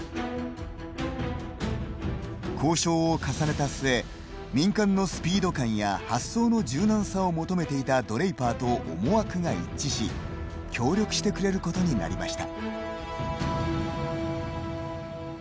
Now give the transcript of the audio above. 交渉を重ねた末民間のスピード感や発想の柔軟さを求めていたドレイパーと思惑が一致し協力してくれることになりました。